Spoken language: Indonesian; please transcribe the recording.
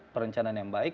perencanaan yang baik